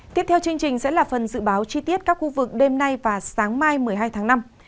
tiếp theo chương trình sẽ là phần dự báo chi tiết các khu vực đêm nay và sáng mai một mươi hai tháng năm